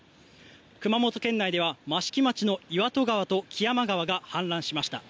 熊本県内では益城町の岩戸川と木山川が氾濫しました。